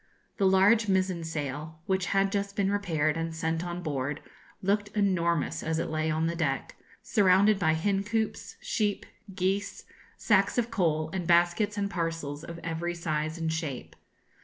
The large mizen sail, which had just been repaired and sent on board, looked enormous as it lay on the deck, surrounded by hen coops, sheep, geese, sacks of coal, and baskets and parcels of every size and shape.